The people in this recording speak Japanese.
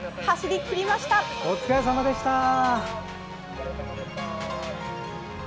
走りきりました！